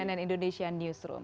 di cnn indonesian newsroom